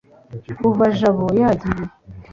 kuva jabo yagiye